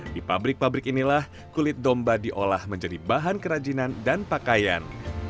di pabrik pabrik inilah kulit domba diolah menjadi bahan kerajinan dan pakaian